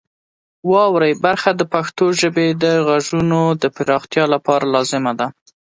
واورئ برخه د پښتو ژبې د غږونو د پراختیا لپاره لازمه ده.